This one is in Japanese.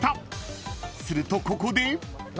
［するとここで］